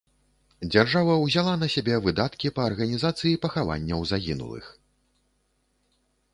Дзяржава ўзяла на сябе выдаткі па арганізацыі пахаванняў загінулых.